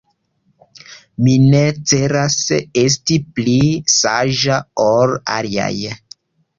Mi ne celas esti pli saĝa ol aliaj.